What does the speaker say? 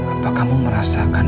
apa kamu merasakan